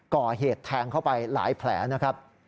ก่อเหตุแทงเข้าไปหลายแผลนะครับ